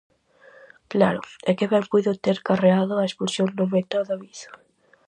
Claro, e que ben puido ter carreado a expulsión do meta David.